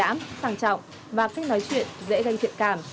lãm sang trọng và cách nói chuyện dễ gây thiện cảm